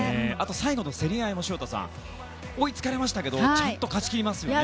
最後の競り合いも潮田さん追いつかれましたがちゃんと勝ち切りますよね。